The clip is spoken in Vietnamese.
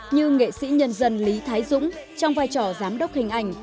như nghệ sĩ nhân dân lý thái dũng trong vai trò giám đốc hình ảnh